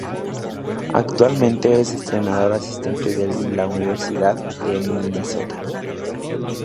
Actualmente es entrenador asistente de la Universidad de Minnesota.